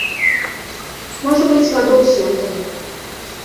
Можа быць, гадоў сем таму.